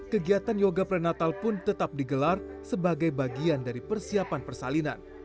kegiatan yoga prenatal pun tetap digelar sebagai bagian dari persiapan persalinan